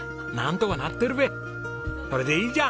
これでいいじゃん！